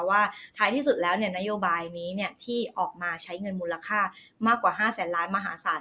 ว่าท้ายที่สุดแล้วนโยบายนี้ที่ออกมาใช้เงินมูลค่ามากกว่า๕แสนล้านมหาศาล